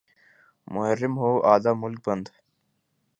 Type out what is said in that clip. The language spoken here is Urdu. محرم ہو آدھا ملک بند۔